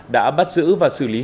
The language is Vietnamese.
đã bắt giữ và xử lý